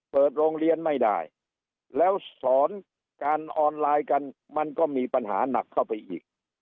เปิดโรงเรียนไม่ได้แล้วสอนการออนไลน์กันมันก็มีปัญหาหนักเข้าไปอีก